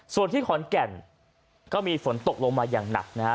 ส่วนที่ขอนแก่นก็มีฝนตกลงมาอย่างหนักนะฮะ